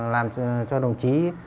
làm cho đồng chí